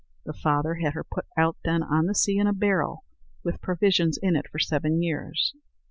The father had her put out then on the sea in a barrel, with provisions in it for seven years.